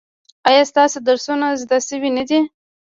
ایا ستاسو درسونه زده شوي نه دي؟